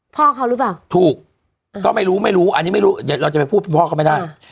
พ่อเขาหรือเปล่าถูกก็ไม่รู้ไม่รู้อันนี้ไม่รู้เดี๋ยวเราจะไปพูดพ่อเขาไม่ได้